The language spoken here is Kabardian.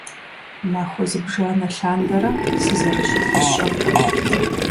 Махуэ зыбжана лъандэрэ, сызэрыщытыр сщӀэркъым.